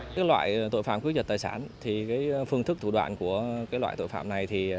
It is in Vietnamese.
các loại tội phạm cướp giật tài sản phương thức thủ đoạn của loại tội phạm này